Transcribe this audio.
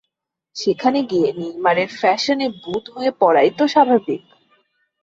সেখানে গিয়ে নেইমারের ফ্যাশনে বুঁদ হয়ে পড়াই তো স্বাভাবিক।